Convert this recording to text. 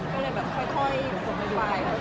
ก็เลยแบบค่อยผมไม่ไป